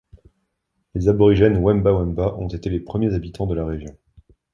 Les aborigènes Wemba-Wemba ont été les premiers habitants de la région.